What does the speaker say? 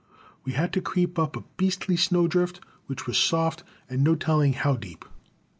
We had to creep up a beastly snow drift, which was soft and no telling how deep.